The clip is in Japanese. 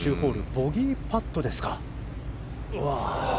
ボギーパットですか。